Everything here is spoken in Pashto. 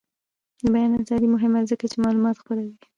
د بیان ازادي مهمه ده ځکه چې معلومات خپروي.